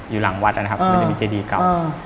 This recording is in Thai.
หลังวัดนะครับมันจะมีเจดีเก่า